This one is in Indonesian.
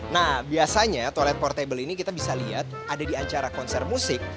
nah biasanya toilet portable ini kita bisa lihat ada di acara konser musik